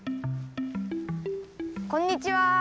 こんにちは。